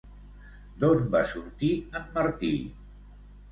D'on va sortir en Martí?